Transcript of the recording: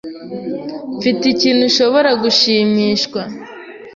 Mfite ikintu ushobora gushimishwa.